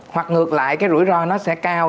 hoặc ngược lại cái rủi ro nó sẽ cao